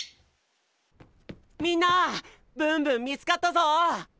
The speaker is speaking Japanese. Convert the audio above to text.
みんなぶんぶん見つかったぞ！